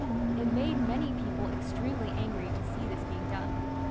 It made many people extremely angry to see this being done.